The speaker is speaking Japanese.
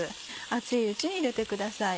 熱いうちに入れてください。